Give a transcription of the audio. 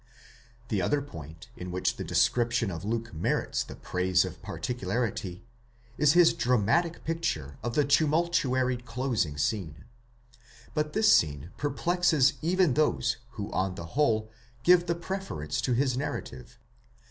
The other point in which the description of Luke merits the praise of particularity, is his dramatic picture of the tumultuary closing scene ; but this scene perplexes even those who on the whole give the preference to his narrative.